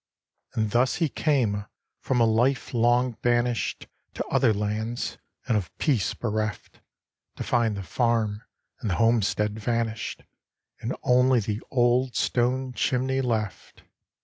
And thus he came, from a life long banished To other lands, and of peace bereft, To find the farm and the homestead vanished, And only the old stone chimney left.